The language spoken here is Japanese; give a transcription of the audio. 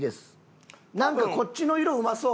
なんかこっちの色うまそう。